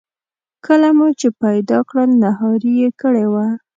کله چې مو پیدا کړل نهاري یې کړې وه.